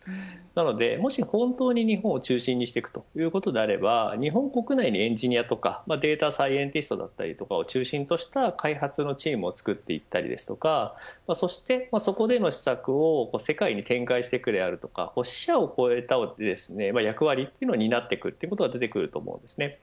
なので、もし本当に日本を中心にしていくということであれば日本国内でエンジニアとかデータサイエンティストだったりを中心とした開発のチームを作っていったりですとかそして、そこでの施策を世界に展開していくであるとか支社を超えた役割を担っていくというのが出てくると思います。